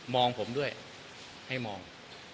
องผมด้วยให้มอง